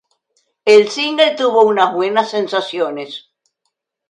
El single tuvo unas buenas sensaciones.